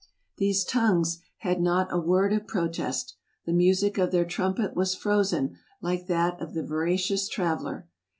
These tongues had not a word of protest ; the music of their trumpet was frozen like that of the veracious traveler.